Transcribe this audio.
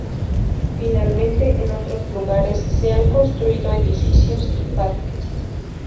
Finalmente, en otros lugares se han construido edificios y parques.